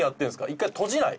一回閉じない？